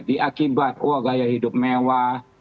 diakibat wah gaya hidup mewah